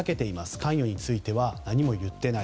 関与については何も言っていない。